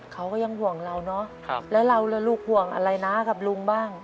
เขาก็ยังห่วงเราเนอะแล้วเราล่ะลูกห่วงอะไรนะกับลุงบ้าง